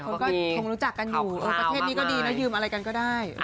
คนก็คงรู้จักกันอยู่ประเทศนี้ก็ดีนะยืมอะไรกันก็ได้